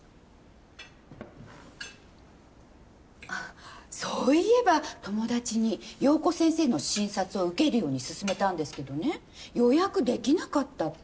あそういえば友達に陽子先生の診察を受けるように勧めたんですけどね予約できなかったって。